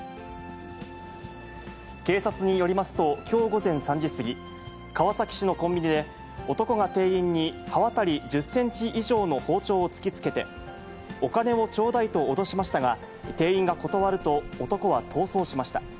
警察によりますと、きょう午前３時過ぎ、川崎市のコンビニで、男が店員に刃渡り１０センチ以上の包丁を突きつけて、お金をちょうだいと脅しましたが、店員が断ると男は逃走しました。